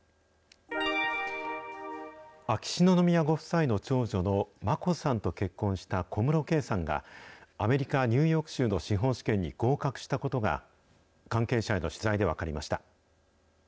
秋篠宮ご夫妻の長女の眞子さんと結婚した小室圭さんが、アメリカ・ニューヨーク州の司法試験に合格したことが、関係者への取材で分かりました。